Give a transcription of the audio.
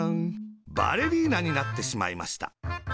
バレリーナになってしまいました。